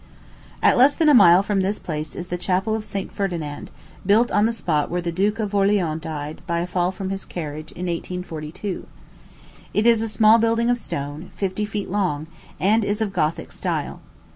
At less than a mile from this place is the Chapel of St. Ferdinand, built on the spot where the Duke of Orleans died, by a fall from his carriage, in 1842. It is a small building of stone, fifty feet long, and is of Gothic style.